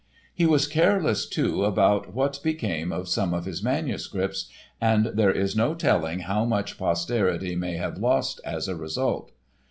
He was careless, too, about what became of some of his manuscripts and there is no telling how much posterity may have lost as a result.